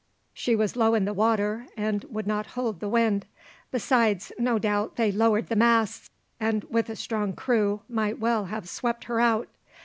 She was low in the water, and would not hold the wind; besides, no doubt they lowered the masts, and with a strong crew might well have swept her out.